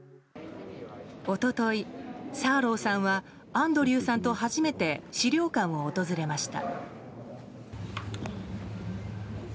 一昨日、サーローさんはアンドリューさんと初めて資料館を訪れました。